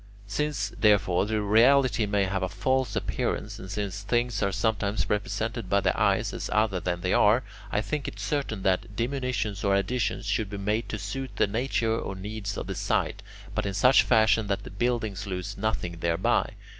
Since, therefore, the reality may have a false appearance, and since things are sometimes represented by the eyes as other than they are, I think it certain that diminutions or additions should be made to suit the nature or needs of the site, but in such fashion that the buildings lose nothing thereby.